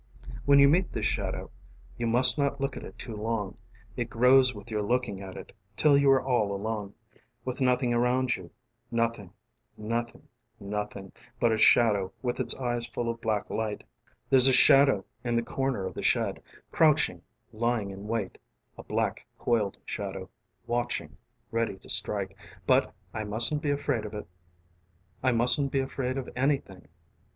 ┬Ā┬ĀWhen you meet this shadow ┬Ā┬Āyou must not look at it too longŌĆ" ┬Ā┬Āit grows with your looking at itŌĆ" ┬Ā┬Ātill you are all alone ┬Ā┬Āwith nothing around youŌĆ" ┬Ā┬ĀnothingŌĆ" nothingŌĆ" nothingŌĆ" ┬Ā┬Ābut a shadow ┬Ā┬Āwith its eyes full of black light. :: There's a shadow in the corner of the shed, crouching, lying in waitŌĆ" a black coiled shadow, watchingŌĆ" ready to strikeŌĆ" but I mustn't be afraid of itŌĆö I mustn't be afraid of anything.